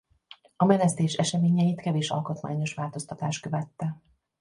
A Menesztés eseményeit kevés alkotmányos változtatás követte.